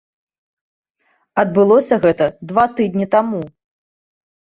Адбылося гэта два тыдні таму.